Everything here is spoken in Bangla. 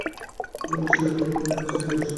আমরা শেরিফ গুডকে মেরে শ্যাডিসাইডকে বাঁচাবো।